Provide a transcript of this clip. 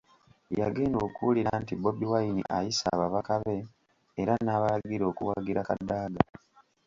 Yagenda okuwulira nti Bobi Wine ayise ababaka be era n’abalagira okuwagira Kadaga.